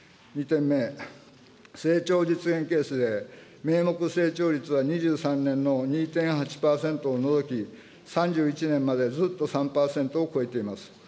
２点目、成長実現ケースで、名目成長率は２３年の２．８％を除き、３１年までずっと３％を超えています。